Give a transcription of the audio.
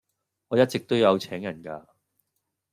我一直都有請人架